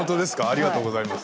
ありがとうございます。